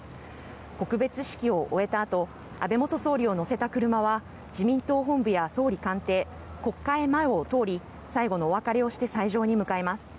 告別式を終えたあと安倍元総理を乗せた車は自民党本部や総理官邸国会前を通り最後のお別れをして斎場に向かいます。